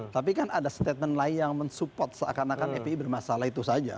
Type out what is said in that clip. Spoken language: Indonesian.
tapi kan ada statement lain yang mensupport seakan akan fpi bermasalah itu saja